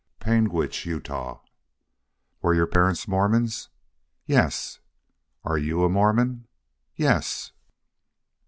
"Panguitch, Utah." "Were your parents Mormons?" "Yes." "Are you a Mormon?" "Yes."